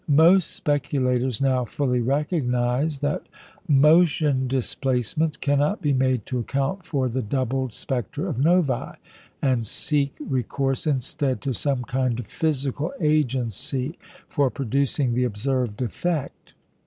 Most speculators now fully recognise that motion displacements cannot be made to account for the doubled spectra of Novæ, and seek recourse instead to some kind of physical agency for producing the observed effect.